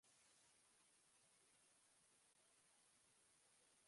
There was a famous grove of ancient moss-grown firs.